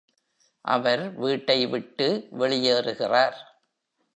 அவர் வீட்டை விட்டு வெளியேறுகிறார்.